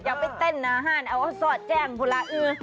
อยากไปเต้นหน้าห้านเอาสอดแจ้งพูดละ